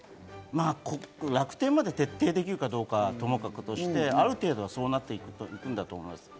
楽天まで徹底できるかはともかくとして、ある程度そうなっていくんだと思います。